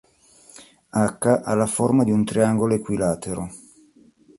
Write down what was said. H ha la forma di un triangolo equilatero.